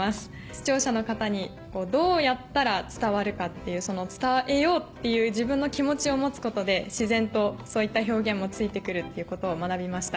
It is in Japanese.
視聴者の方にどうやったら伝わるかっていうその伝えようっていう自分の気持ちを持つことで自然とそういった表現も付いてくるっていうことを学びました。